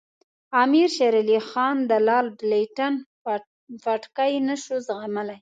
امیر شېر علي خان د لارډ لیټن پټکې نه شو زغملای.